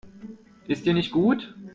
Ist dir nicht gut?